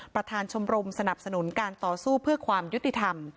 ประธานชมรมสนับสนุนการต่อสู้เพื่อความยุติธรรม